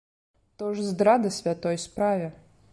То ж здрада святой справе.